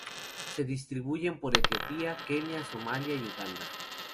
Se distribuyen por Etiopía, Kenia, Somalia y Uganda.